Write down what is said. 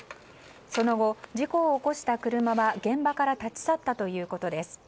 その後、事故を起こした車は現場から立ち去ったということです。